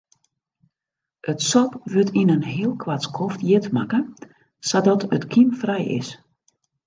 It sop wurdt yn in heel koart skoft hjit makke sadat it kymfrij is.